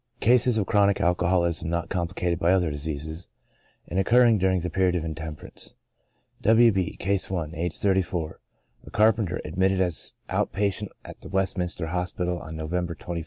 Cases of Chronic Alcoholism not complicated by other diseases^ and occurring during the period of intemperance, W. B —, (Case i,)aged 34, a carpenter, admitted as out patient at the Westminister Hospital, on November 21st, 1855.